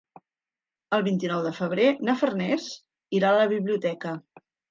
El vint-i-nou de febrer na Farners irà a la biblioteca.